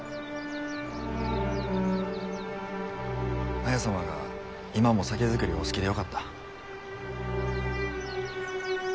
綾様が今も酒造りをお好きでよかった。